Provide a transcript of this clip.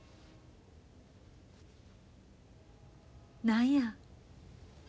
何や？